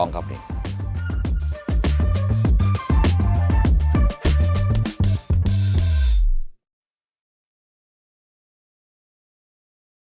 โน้ท